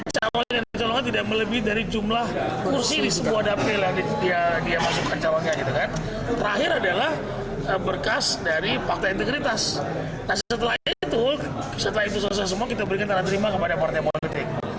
setelah itu setelah itu selesai semua kita berikan tarah terima kepada partai politik